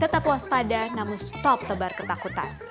tetap waspada namun stop tebar ketakutan